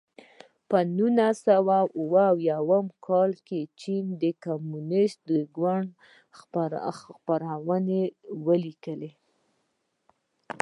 په نولس سوه اووه اویا کال کې د چین کمونېست ګوند خپرونې ولیکل.